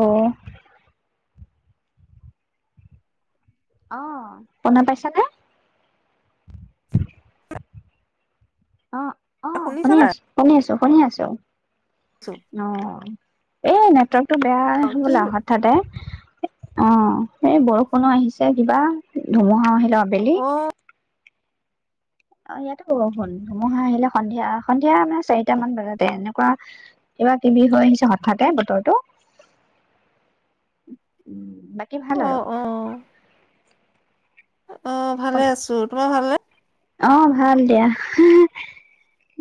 অ অ' শুনা পইছা নে অ' অ' শুনিছা শুনি নাই? আছোঁ শুনি আছোঁ। শুনি আছোঁ। অ' এ নেটৱৰ্ক বেয়া অ কি হবলা হঠাতে অ' এই বৰষুণো আহিছে কিবা ধুমুহা অ' আহিলোঁ আবেলি অ অ' ইয়াতো বৰষূণ ধুমুহা আহিলে সন্ধিয়া সন্ধিয়া নে চাৰিটামান বজাত কোৱা কিবা কিবি হৈ আহিছে হঠাতে বতৰটো বাকী অ ভাল আৰু অ অ' ভালে আছোঁ তোমাৰ ভাল নে? অ' ভাল দিয়া হিহি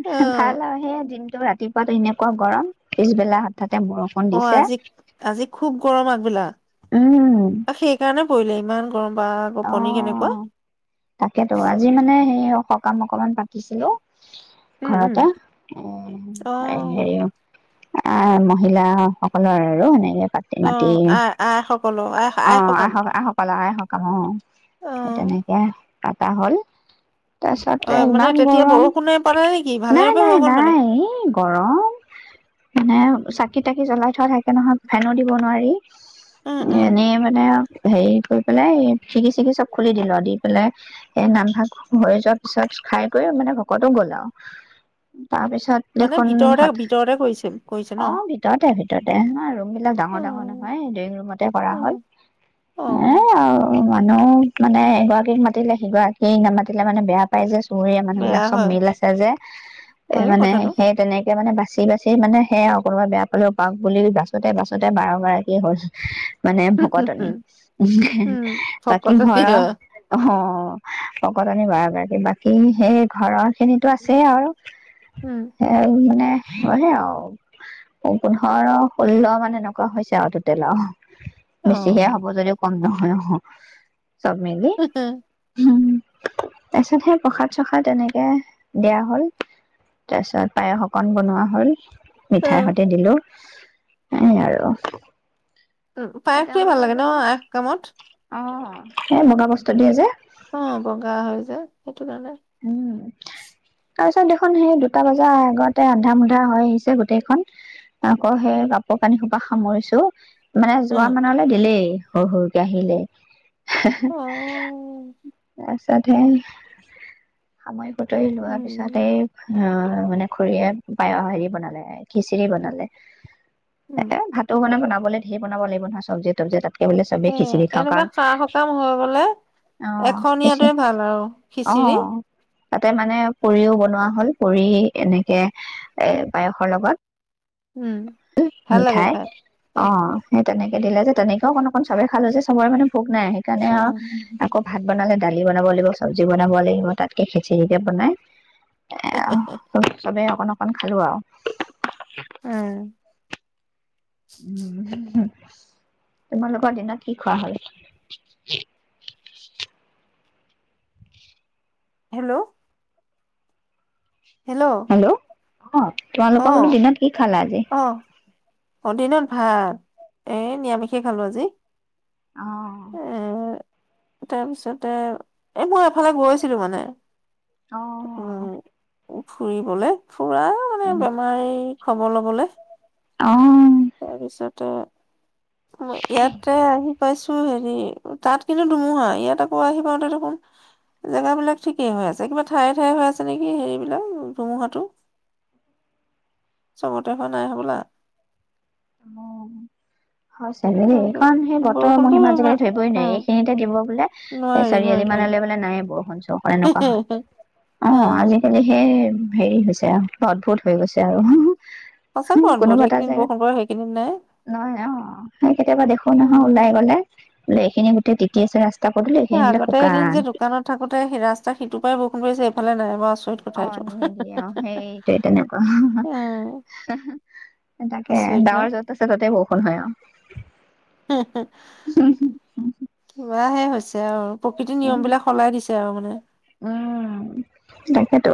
অ হেহ ভাল আৰু সেয়া দিনটো ৰাতিপুৱাট এনেকোৱা গৰম পিছবেলা হঠাৎ, অ আজি আজি খুব গৰম আগবেলা উম আৰু সেই কাৰণে পৰিলে, ইমান, [inaudible] অ তাকেতো আজি মানে সেই সকাম অকনমান পাতিছিলো উম উম ঘৰতে অ হেৰি আ মহিলা সকলৰ আৰু এনেকে পাতি অ মাতি আই আই সকলৰ আই অ আই সকাম আইসকলৰ আইসকলৰ কওঁ অ সেইটো নাই কেইটা হ'ল? অ তাৰপিছতে মানে ইমান তেতিয়া গৰম। বৰষুণে পালে নেকি ভালে নাই, ৰূপে নাই, হৈ গ'ল মানে নাই সেই গৰম মানে চাকি-তাকি জ্বলাই থোৱা থাকে নহয়, ফেনো দিব নোৱাৰি উম উম এনেই মানে আৰু হেৰি কৰি পেলাই খিৰিকী-চিৰিকি চব খুলি দিলো অদি পেলে এ নামভাগ হৈ যোৱাৰ পিছত খাই কৰি মানে ভকতো গল আৰু তাৰপিছত মানে দেখোন ভিতৰতে হত, ভিতৰতে কৰিছে কৰিছে ন অ ভিতৰতে ভিতৰতে অ ৰুম বিলাক অ ডাঙৰ ডাঙৰ নহয় ডইং ৰুমতে কৰা অ হ'ল অ এ আৰু মানুহ মানে এগ এস মাতিলে সিগৰাকীক নামাতিলে মানে বেয়া পায় যে পহৰীয়া মানুহ বেয়া বিলাক চব হয় মিল আছে যে, এ হয়ো মানে সেই তেনেকে মানে বাচ বাচি বাচি মানে সেয়া আৰু কোনোবা বেয়া পালেও পাওক বুলি বাছোতে বাছোতে বাৰ গৰাকী হ'ল। মানে কথাটো ভকতনি, উম, বাকী ঘৰৰ ভকতনীয় অ', ভকতনি বাৰ গৰাকী বাকী সেই ঘৰৰ খিনিতো আছে আৰু উম, সেই মানে হ'বগে আৰু পোন্ধৰ, ষোল্ল মানে এনেকুৱা হৈছে আৰু টোটেল আৰু বেছিহে অ', হ'ব, যদিও কম নহয়। অহ, চব মিলি। উম। উম, তাৰপিছত সেই প্ৰসাদ-চসাদ এনেকে দিয়া হ'ল, তাৰপিছত পায়স অকন বনোৱা হ'ল। মিঠাই উম, সতি দিলো। সেয়ে আৰু। উম, পায়স খিনি ভাল তেওঁলোকো লাগে ন আয় সকামত? এ, [unintelligible] দিয়ে যে অ', বগা হৈ যায়। তোলানাই তাৰ পিছত দেখোন সেই দুটা বাজাৰ আগতে আন্ধা-মুন্ধা হৈ আহিছে গোটেইখন আকৌ সেই কাপোৰ-কানি সোপা সামৰিছো। মানে যোৱা উম, মানলৈ দিলেই। সৰু-সৰুকে আহিলেই। [unintelligible] অ', তাত হে সামৰি বুটলি লোৱা পিছত উম, এই অ', মানে খুৰীয়ে পায়, হেৰি বনালে, খিচিৰি বনালে। উম, এ, ভাতো কোনে বনা হ'লে ধেৰ বনাব লাগিব নহই, চবজি-তবজি কাটি। সেয়ে, এনেকুৱা সা-সকাম হৈ গ'লে অ খিচি এখনীয়াটোৱে ভাল আৰু, অ খিচিৰি। তাতে মানে পুৰিও বনোৱা হ'ল, পুৰি এনেকে, এই পায়সৰ লগত। উম, উম ভাল লাগে মিঠাই খাই অ তেনেকে দিলে যে তেনেকেও অকণ অকণ চবে খালে যে চবৰে মানে ভোক, নাই সেইকাৰণে আৰু উম, আকৌ ভাত বনালে, দালি বনাব লাগিব চবজিও বনাব লাগিব তাতকে খিছিৰিকে বনাই, [inaudible] চবে অকণ অকণ অকমান খালো আৰু উম, উম তোমালোকৰ দিনত কি খোৱা হ'ল হেল্ল' হেল্ল' অ' তোমালোকৰ বোলো অ', দিনত কি খালা আজি। অ', অ দিনত ভাত এ নিৰামিষ কে খলো আজি। অ উম তাৰপিছতে এই মই এফালে গৈছিলো মানে। অ' উম অ' ফুৰিবলে ফুৰা, বেমাৰিৰ খবৰ লবলে, অ' তাৰপিছতে ইয়াতে আহি পাইছোঁ। অ' হেৰি তাত কিন্তু ধুমুহা ইয়াত আকৌ আহি পাওঁতে দেখোন জেগা বিলাক ঠিকেই হৈ আছে কিবা ঠাইয়ে ঠাইয়ে হৈ আছে নিকি হেৰি বিলাক ধুমুহাটো চবতে হোৱা নাই হ'বলা। অ' উম! হয় চাগে দেই তাৰপিছত কাৰণ সেই বতৰৰ বৰষুণতো মহিমা ইমান আজিকালি ধৰিবয়ে নোৱাৰি উম এইখিনিতে দিব বোলে। এ নোৱাৰি নোৱাৰি চাৰিআলি নোৱাৰি মানলে মানে নাই, বৰষুণ, নহয় এনেকুৱা হয় অ আজিকালি সেই, হেৰি হৈছে আৰু অদ্ভুত হৈ গৈছে আৰু [inaudible] [unintelligible] নোৱাৰে অ সেই কেতিয়াবা দেখো নহৈ উম ওলাই গ'লে এইখিনিত গোটে তিতি আছে ৰাস্তা পদূলি অ এইখিনি বোলে আগতে এদিন শুকান। যে দোকানত থাকোঁতে ৰাস্তা সিটোপাৰে বৰষুণ দিছে এইফালে আকৌ নাই আচৰিত কথা অ এইটো। নিদিয়ে অ সেইটোৱে তেনেকুৱা এ [unintelligible] তাকে আচৰিত ন ডাৱৰ যত আছে ততে বৰষুণ হয় আৰু [inaudible] [unintelligible] অ' প্ৰকৃতিৰ নিয়মবিলাক সলাই দিছে আৰু মানে উম, তাকেতো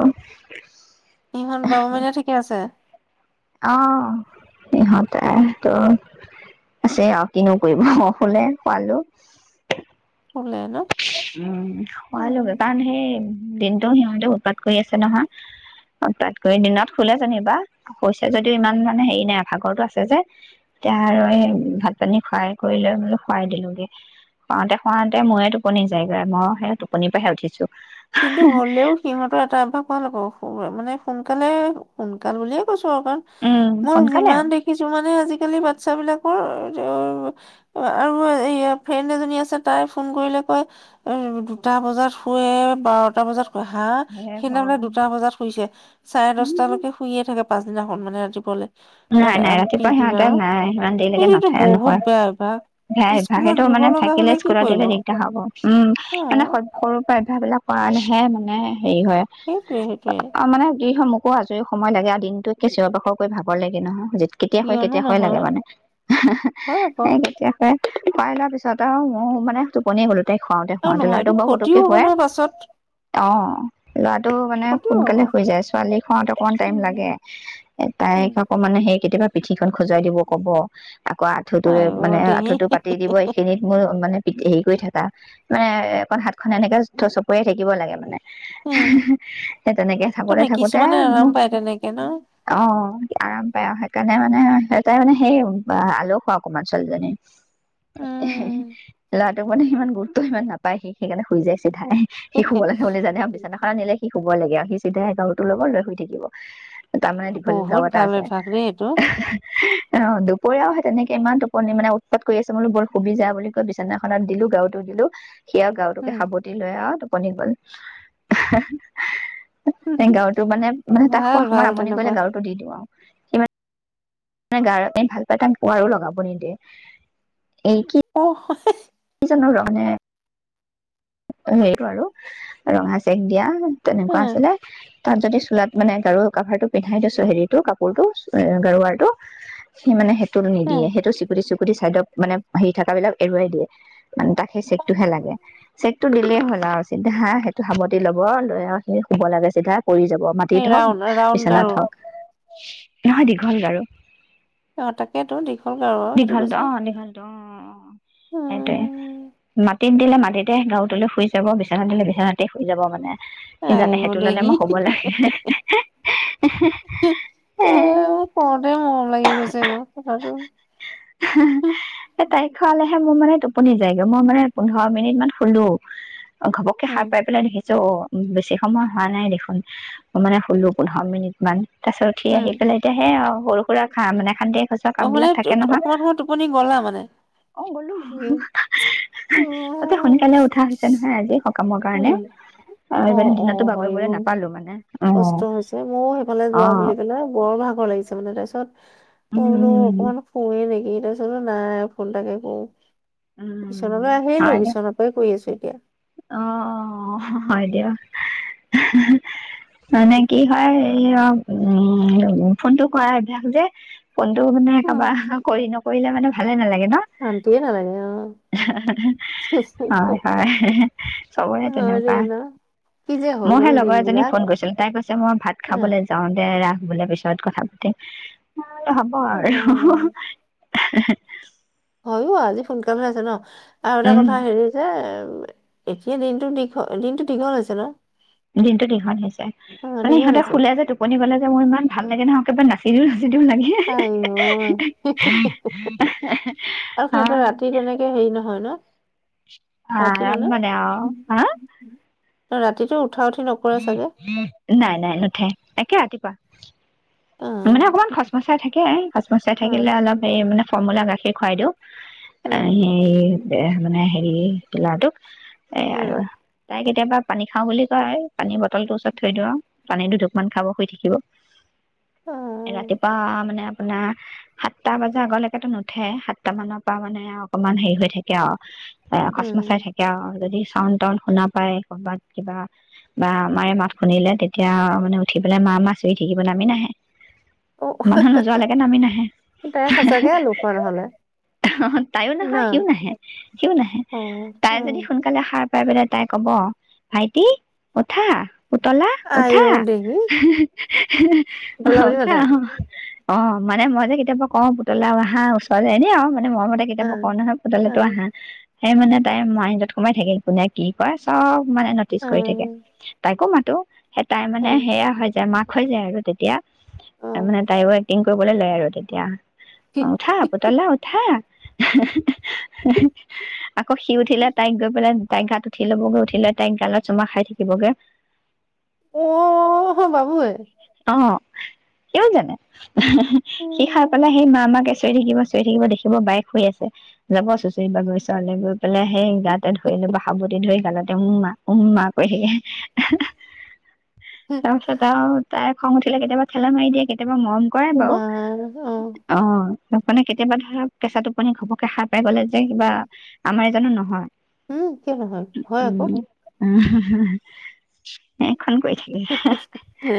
ইহঁত বাবু মাইনা ঠিকেই আছে। অ' ইহঁতেটো আছে আও কিনো কৰিব শুলে শুৱালো শুলে ন উম উম। শুৱালোগে কাৰণ সেই দিনটো সিহঁতে উৎপাত কৰি আছে নহয় উৎপাত কৰি দিনত শুলে যেনিবা শুইছে যদিও ইমান মানে হেৰি নাই আৰু ভাগৰটো আছে যে এতিয়া আৰু সেই ভাত-পানী খুৱাই কৰি লৈ শুৱাই দিলোগে শুৱাওটে শুৱাওটে মোৰে টোপনি যাইগৈ মই সেই টোপনিপা হে উঠিছো কিন্তু হলেও সিহঁতৰ এটা অভ্যাস, ভাল আকৌ মানে সোনকালে সোনকাল বুলিয়ে কৈছোঁ। উম [inaudible] মই সোনকালে যিমান আৰু দেখিছোঁ মানে আজিকালি আজিকালি বাচ্ছা বিলাকৰ [inaudible] ফ্ৰেণ্ড এজনী আছে তাই ফোন কৰিলে কয় এই দুটা বজাত শুৱে, বাৰটা বজাত, হা হে সি নহলে ভগৱান দুটা বজাত শুইছে চাৰে দশটালেকে শুইয়ে থাকে, পাছদিনাখন মানে, নাই ৰা- নাই আম, ৰাতিপুৱা পিছদিনা সিহঁতে আৰু নাই ইমান দেৰি লৈকে এইটোতো বহুত নুশুয়ে বেয়া অভ্যাস বেয়া অভ্যাস স্কুলত সেইটো দিব মানে লগা থাকিলে হলে কি স্কুলত কৰিব দিলে দিগদাৰ হ'ব উম অ মানে সৰুৰে পৰাই অভ্যাস বিলাক কৰালেহে মানে, হেৰি হয় সেইটোৱে সেইটোৱে আৰু মানে কি হয় মোক [unintelligible] ভাগৰ লাগে নহয়। কেতিয়া শুয়ে কিয়নো কেতিয়া শুয়ে লাগে নহয় মানে, হয় আকৌ শুৱাই লোৱা পাছত আৰু মইয়ো মানে টোপনিয়ে গলো, তাকে শুৱাওটে আৰু শুৱাওটে নহয় ল'ৰা এইটো বাৰু ক্ষতিও পতককে হ'ব শুৱে, নহয় পাছত অ' ল'ৰাটো মানে ক্ষতিও হ'ব। সোনকালে শুই যায় ছোৱালীক শুৱাওটে অকমান টাইম উম, লাগে তাইক মানে সেই কেতিয়াবা পিঠিখন খজুৱাই দিব ক'ব আকৌ আঁঠুটো আই অ মানে দেহি আঁঠুটো পাতি এইখিনি সময়ত মানে, দেৰি কৰি থাকে মানে অকন হাতখন এনেকে চকৰিয়াই থাকিব লাগে মানে [unintelligible] সেই তেনেকে থাকোঁতে নহয় থাকোঁতে কিছুমানে আৰাম মোৰ পায় তেনেকে ন। [unintelligible] অ আৰাম পাই অ সেইকাৰণে মানে সেই তাই মানে সেই আলসুৱা অকণমান ছোৱালীজনী [unintelligible] ৰাতি উম, ল'ৰাটোৱে মানে সিমান গুৰুত্ব ইমান নাপাই সি সেইকাৰণে শুই যায় চাগে চিধাই, সি শুব লাগে বুলি জানে আৰু, বিচনাখন আনিলে সি শুব লাগে আৰু। সি চিধাই গৰুটো লব আৰু শুই থাকিব। তাৰ মানে দীঘল বহুত [inaudible] তা ভাল আছে। অভ্যাস দেই এইটো হি হি হি অহ, দুপৰীয়াও সেই তেনেকে ইমান টোপনি মানে উৎপাত কৰি আছে মই বোলোঁ বল, শুবি যা বুলি কৈ বিছনা এখনত দিলোঁ, গাৰুটো দিলোঁ। সি আৰু গাৰুটোকে উম। সাবতি লৈ আৰু ত কণী বইল। আ হি হি হি। এ গৰুটো মানে, মানে তাই ভাল শোৱা ভাল সময়ত আমনি তেনেকুৱা কৰিলে গাৰুটো দি দিওঁ আৰু। ইমা গাৰু [unintelligible] ভাল পায়, তাত ৱাৰো লগাব নিদিয়ে। এই কি অ' সঁচাই। [unintelligible] অ সেইটো আৰু, ৰঙা চেক দিয়া। তেনেকুৱা আছিলে। তাত যদি চোলাত মানে গাৰুৰ কভাৰতো পিন্ধাই দিছোঁ হেৰিটো কাপোৰটো, এ গাৰুৱাৰটো, সি মানে হেপ তু নিদিয়ে। সেইটো চিকুতি চুক কুতি চাইদত মানে, হেৰি থকাবিলাক এৰুৱাই দিয়ে। মানে তাক সেই চেকটো হে লাগে। তো দিলেই হ'ল আৰু চিধা, সেইটো সাবটি ল'ব, লৈ আৰু সি শুব লাগে চিধা। পৰি যাব, এই মাটিত ৰাউণ্ড হওক ৰাউণ্ড গাৰু বিছনাত হওক। নহয়, দীঘল গাৰু। অ, তাকেইটো দীঘল গাৰু আৰু, সেইটো দীঘলটো অ কৈছোঁ। দীঘলটো অ অ সেইটোৱে। মাত টিত দিলে মাটিত তে [unintelligible] তুলি শুই যাব, বিছনাত দিলে বিছনাতে শুই যাব মানে। সি আই জানে অ' সেইটো ললে দেহি। মই হি শুব হি লাগে হি হি হি হি হি অ মৈ শুনাতে মৰম লাগি গৈছে আকো কথাটো। হি। শুৱালেহে মোৰ মানে টোপনী যায়গে, মোৰ মানে পোন্ধৰ মিনিটমান শুলোঁ। অ, ঘপককে সাৰ উম পাই পেলাই দেখি জো, বেছি সময় হোৱা নাই দেখোন, মানে ষোল্ল পোন্ধৰ মিনিটমান। গাছত উঠি উম। আহি পেলাই, এতিয়া সেয়া আৰু। সৰু-সুৰা খা মানে খানদে সঁছা অ মানে কামবিলাক থাকে নহয়। অকমান সময় টোপনি গ'লা মানে। অ গলোঁ। হা হা হা হা হা হা তাতে শূনে কালে উঠা হৈছে নহয় আজি হপ কামৰ উম কাৰণেও অ অ দিনতটো হয় বাগৰিবলৈ অ নেপালো মানে অ কষ্ট হৈছে ময়ো সেইফালে অ যোৱা বুলি ক'লে বৰ ভাগৰ লাগিছে। তাৰ মানে তাৰপিছত মই বোলো উম অকনমান শোৱেই নেকি? তাৰ পিছতে বোলো নাই ফোন এটাকে কৰো। উম বিচনালে আহিলোঁ হয় দে বিচনা পাই কৰি আছোঁ এতিয়া। অ' হয় দিয়ক [unintelligible] অ' ফোনটো কৰাৰ অভ্যাস যে ফোনটো মানে কাৰবাৰ অহা কৰি কৰিলে মানে ভালে নালাগে। ন শান্তিয়ে নালাগে অঁ হয় হয় চবৰে হয় দে তেনেকুৱা ন কি যে হৈ গ'ল মইহে দিন লগৰ এজনীক বিলাক ফোন কৰিছিলো তাই কৈছে মই ভাত খাবলৈ যাওঁতে বোলে পিছত কথা পাতিম, এই হ'ব অ আৰু [unintelligible] হয়ো আজি সোনকাল হৈ আছে নহ আৰু এটা উম কথা হেৰি যে, এতিয়া দিনটো দীঘল দিনটো দীঘল হৈছে ন, দিনটো দীঘল হৈছে, অ মানে দীঘল ইহঁতে হৈছে শুলে যে, টোপনি গ'লে যে, মোৰ ইমান ভাল লাগে নহয়‌, একেবাৰে না [unintelligible] আয়ৈ আৰু সিহঁতে ৰাতি তেনেকে হেৰি‌ নহয়‌ ন আৰাম মানে আৰু হা ৰাতিটো উঠা উঠি নকৰে চাগে নাই, নাই নুঠে। একে ৰাতিপুৱা অ মানে অকণমান খচমচাই থাক [unintelligible] খচমচাই অ থাকিলে অলপ হেৰি মানে ফলমূল আৰু গাখীৰ খোৱাই দিওঁ উম [inaudible] এহ, মানে হেৰি ল'ৰাটোক এয়া উম আৰু এবাৰ পানীখাওঁ বুলি কয় পানীৰ বটলটো ওচৰত থৈ দিওঁ আৰু পানী দুধুকমান খাব আৰু শুই থাকিব। অ ৰাতিপুৱা মানে আপোনাৰ সাতটা বাজাৰ আগলৈকে টো নুঠে, সাতটা মানৰ পৰা মানে অকমান হেৰি হৈ থাকে আৰু, এ উম কচমচাই থাকে আৰু, যদি চাউণ্ড-টাউণ্ড শুনা পায় কবাত কিবা বা আমাৰে মাত শুনিলে তেতিয়া মানে উঠি পেলাই মা, মা চিঞৰি থাকিব, নামি নাহে। অ মানুহ নোযোৱালৈকে নামি নাহে, তাই সঁচাকে লোকৰ নহলে অহ, তাইও ন নহই, সিও নাহে, সিও নাহে, অ তাই অ যদি সোনকালে সাৰ পাই পেনে তাই ক'ব, ভাইটি উঠা। পুতলা আই উঠা অ দেহি [unintelligible] অহ, পুতলা বুলি উঠা মাতে অ'। অ, মানে মই যে কেতিয়াবা কওঁ, পুতলাও আহা ওচৰলে, এনেই আৰু মা নে মৰমতে অ কেতিয়াবা কওঁ নহই, অ অ পুতলাটো আহা। সেই মানে তাই মোৱাই যত সোমাই থাকে, কোনে কি কয়, চব মানে ন'টিচ কৰি থাকে, তাইকো মাতো। এটাই মানে অ সেয়া হয় যায়, মা খৈ যায় আৰু তেতিয়া। অ তাৰমানে তাইও এক্টিং কবলৈ লৈ আৰু তেতিয়া। অ', উঠা পুতলা উঠা। [unintelligible] আকৌ সি উঠিলে তাইক গৈ পেলাই তাইৰ গাত উঠি ল'বগৈ, উঠি পেলাই তাইক গালত চুমা খাই থাকিবগে। অ', বাবু এ অ', তেৱোঁ জানে, সি সাৰ পালে উম সেই মা মা কে চিঞৰি থাকিব, চিঞৰি থাকিব, দেখিব বায়েক শুই আছে, যাব চুচৰি-বাগৰি ওচৰলে গৈ গৈ পেলে সেই গাতে ধৰি ল'ব, সাবটি ধৰি গালত তেওঁ উম্মা, উম্মা কৰি থাকে। তাৰ পিছত আৰু তাইৰ খং উঠিলে কেতিয়াবা ঠেলা মাৰি দিয়ে, কেত কেতিয়াবা মৰম কৰে বাৰু, উমা অ অ'। তাত মানে কেতিয়াবা ধৰা কেঁচা টোপনি ঘপককে সাৰ পাই গ'লে যে কিবা, আমাৰে জানো নহয়। উম, কিয় নহয়, হয় আকৌ। সে খন কৰিছে গে। হে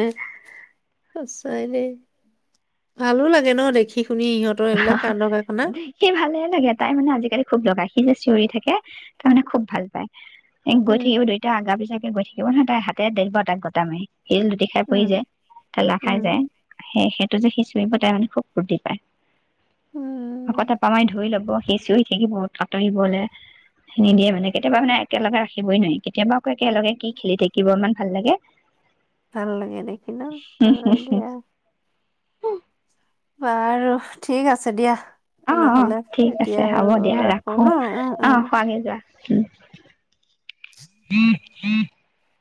সঁচাই দেই, ভালো লাগে ন দেখি শুনি, সিহঁতৰ এইবিলাক কাণ্ড-কাৰখানা। দেখি ভালে লাগে, তাই মানে আজিকালি খুব দগাই, সি যে চিঞৰি থাকে, তাৰমানে খুব ভাল পায়। এক গৈ উম, থাকিব দুইটাই আগা-পিচা গৈ থাকিব নহয়, তাই হাতে [unintelligible] তাক গতা মাৰি। এই লুটি খাই পৰি উম, যায়, ঠেলা খাই উম, যায়। সেই তেতিয়া যে সি চিঞৰিব, তাই মানে খুব ফুৰ্তি পাই। আকৌ উম। টেপা মাৰি ধৰি ল'ব। সি চিঞৰি থাকিব আঁতৰিবলে, এৰি নিদিয়ে মানে। কেতিয়াবা মানে একেলগে ৰাখিবই নোৱাৰি। কেতিয়াবা আকৌ একেলগে কি খেলি থাকিব, ইমান ভাল লাগে। ভাল লাগে দেখি ন? হয় দিয়া। বাৰু, ঠিক আছে দিয়া। অ' নহ'লে অ', ঠিক এতিয়া আছে হ'ব আৰু দিয়া ৰাখো। ন উম, অ, উম। খোৱাগে যোৱা। [inaudible] [unintelligible] [unintelligible]